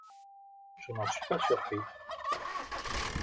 Je n'en suis pas surpris.